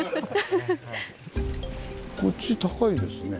こっち高いですね。